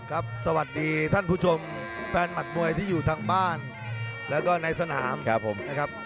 สวัสดีท่านผู้ชมแฟนหมัดมวยที่อยู่ทางบ้านแล้วก็ในสนามครับผมนะครับ